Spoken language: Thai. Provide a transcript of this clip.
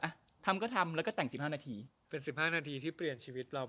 อ่ะทำก็ทำแล้วก็แต่งสิบห้านาทีเป็นสิบห้านาทีที่เปลี่ยนชีวิตเรา